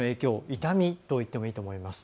痛みと言ってもいいと思います。